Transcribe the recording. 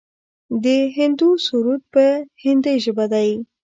د هندو سرود په هندۍ ژبه دی.